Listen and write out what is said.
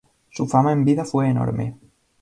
Su fama en vida fue enorme.